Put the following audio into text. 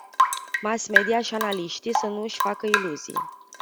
Mass-media și analiștii să nu își facă iluzii.